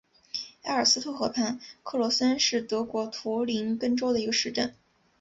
埃尔斯特河畔克罗森是德国图林根州的一个市镇。